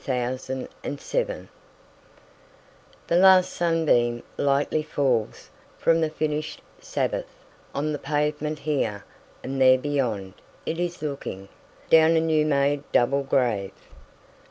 Dirge for Two Veterans 1THE LAST sunbeamLightly falls from the finish'd Sabbath, On the pavement here—and there beyond, it is looking, Down a new made double grave.